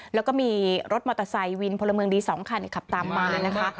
แล้วก็มีรถมอเตอร์ไซค์วินพลเมืองดี๒คันขับตามมานะคะ